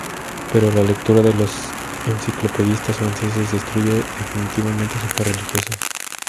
Pero la lectura de los enciclopedistas franceses destruye definitivamente su fe religiosa.